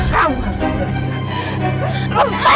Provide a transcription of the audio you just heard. kamu harus berhenti